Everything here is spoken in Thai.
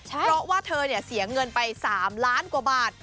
เพราะว่าเธอเสียเงินไป๓ล้านกว่าบาท